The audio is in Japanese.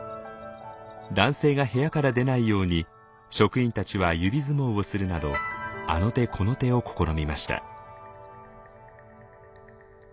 男性が部屋から出ないように職員たちは指相撲をするなどあの手この手を試みました。